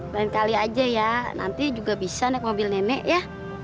lain kali aja ya nanti juga bisa naik mobil nenek ya